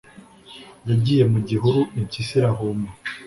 yagiye mu gihuru impyisi irahuma